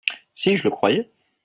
Si je le croyais !